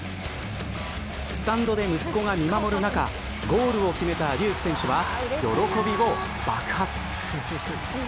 スタンドで息子が見守る中ゴールを決めたデューク選手は喜びを爆発。